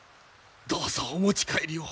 どうぞお持ち帰りを。